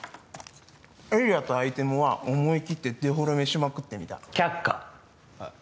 エリアとアイテムは思いきってデフォルメしまくってみた却下えっ？